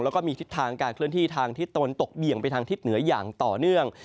แล้วก็มีทิศทางการเคลื่อนที่ทางทิศตะวันตกเบี่ยงไปทางทิศเหนืออย่างต่อเนื่อง